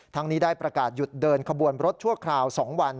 นี้ได้ประกาศหยุดเดินขบวนรถชั่วคราว๒วัน